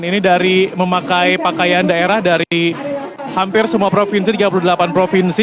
ini dari memakai pakaian daerah dari hampir semua provinsi tiga puluh delapan provinsi